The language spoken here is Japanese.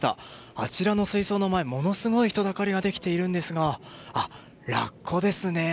あちらの水槽の前ものすごい人だかりができているんですがラッコですね。